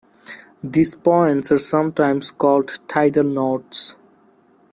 These points are sometimes called tidal nodes.